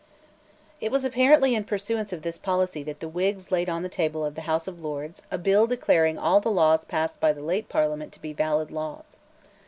It was apparently in pursuance of this policy that the Whigs laid on the table of the House of Lords a bill declaring all the laws passed by the late Parliament to be valid laws.